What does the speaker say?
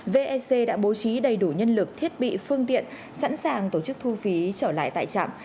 vec đã bố trí đầy đủ nhân lực thiết bị phương tiện sẵn sàng tổ chức thu phí trở lại tại trạm